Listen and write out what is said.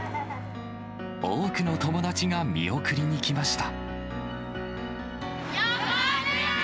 多くの友達が見送りに来ました。